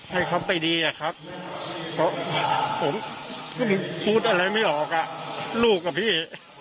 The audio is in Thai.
ให้เขาไปดีอะครับเพราะผมพูดอะไรไม่ออกอ่ะลูกอ่ะพี่